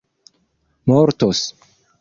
mortos